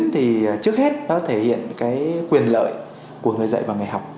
thì trước hết nó thể hiện cái quyền lợi của người dạy và người học